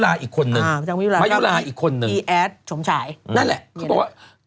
อ้าวคืนดีกันอีกแล้ว